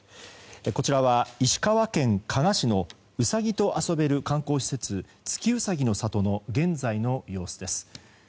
こちらは石川県加賀市のウサギと遊べる観光施設、月うさぎの里の現在の様子です。